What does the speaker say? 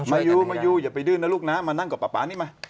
มายูมายู่อย่าไปดื้อนะลูกนะมานั่งกับป๊านี่มา